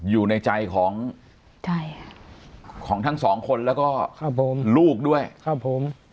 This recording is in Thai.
อยู่ในใจของทั้งสองคนแล้วก็ครับผมลูกด้วยครับผม